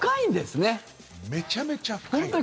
めちゃめちゃ深いです。